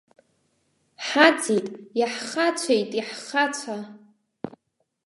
Ҳаӡит, иаҳхацәеит, иаҳхацәа!